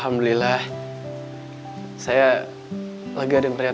harus dong neuro ini nggak usah dipaksa bahwa tak bisa terus berbicara